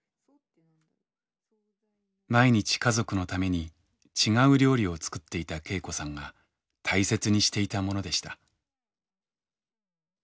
毎日家族のために違う料理を作っていた恵子さんが大切にしていたものでした。